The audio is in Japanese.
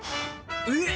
えっ！